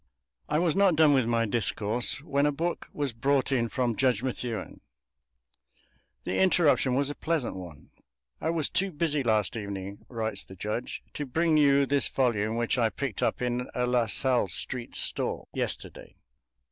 I was not done with my discourse when a book was brought in from Judge Methuen; the interruption was a pleasant one. "I was too busy last evening," writes the judge, "to bring you this volume which I picked up in a La Salle street stall yesterday.